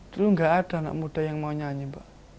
dulu nggak ada anak muda yang mau nyanyi mbak